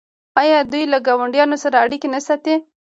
آیا دوی له ګاونډیانو سره اړیکې نه ساتي؟